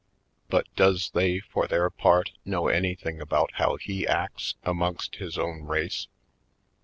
But does they, for their part, know anything about how he acts amongst his own race?